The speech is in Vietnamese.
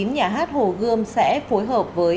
nhà hát hồ gươm sẽ phối hợp với